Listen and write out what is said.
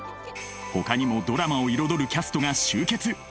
ほかにもドラマを彩るキャストが集結